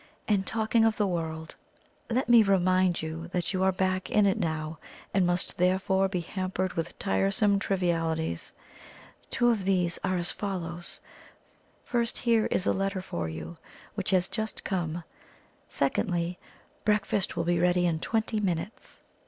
And talking of the world, let me remind you that you are back in it now, and must therefore be hampered with tiresome trivialities. Two of these are as follows; First, here is a letter for you, which has just come; secondly, breakfast will be ready in twenty minutes!"